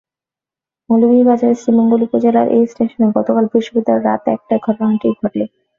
মৌলভীবাজারের শ্রীমঙ্গল উপজেলার এ স্টেশনে গতকাল বৃহস্পতিবার রাত একটায় ঘটনাটি ঘটে।